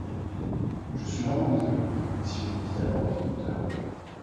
Je suis vraiment désolé, messieurs, dit alors le conducteur.